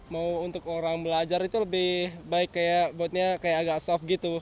mau untuk orang belajar itu lebih baik kayak buatnya kayak agak soft gitu